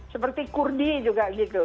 seperti kurdi juga gitu